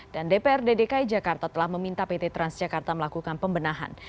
dan dprd dki jakarta telah meminta pt transjakarta melakukan pembenahan